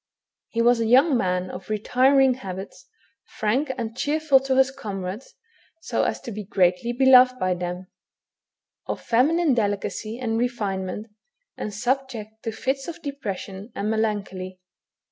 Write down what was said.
He was a young man of retiring habits, frank and cheer ful to his comrades, so as to be greatly beloved by them, of feminine delicacy and refinement, and subject to fits of depression and melancholy.